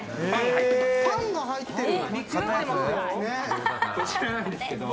パンが入ってる。